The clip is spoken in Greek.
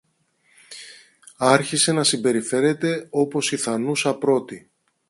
άρχισε να συμπεριφέρεται όπως η θανούσα πρώτη.